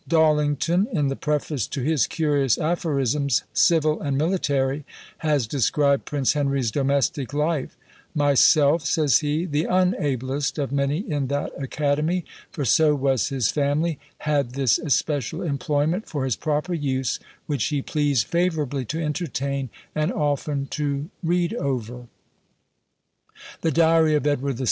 Dallington, in the preface to his curious "Aphorisms, Civil and Militarie," has described Prince Henry's domestic life: "Myself," says he, "the unablest of many in that academy, for so was his family, had this especial employment for his proper use, which he pleased favourably to entertain, and often to read over." The diary of Edward VI.